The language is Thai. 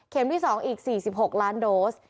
ที่๒อีก๔๖ล้านโดส